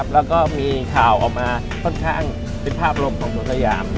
แล้วก็มีข่าวออกมาต้นทางศิษย์ภาพโลกของสวนสยาม